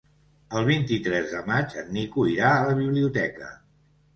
El vint-i-tres de maig en Nico irà a la biblioteca.